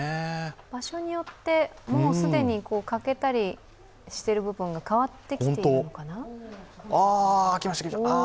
場所によって既に欠けたりしている部分が変わってきたりしてるのかな？